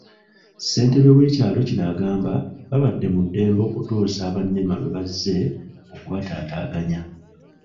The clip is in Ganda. Ssentebe w’ekyalo kino agamba babadde mu ddembe okutuusa aba NEMA lwe bazze okubataataaganya.